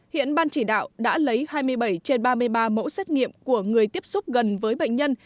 hiện ban chỉ đạo đã lấy hai mươi bảy trên ba mươi ba mẫu xét nghiệm của người tiếp xúc gần với bệnh nhân